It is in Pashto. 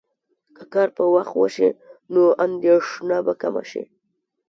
که کار په وخت وشي، نو اندېښنه به کمه شي.